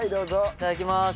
いただきます。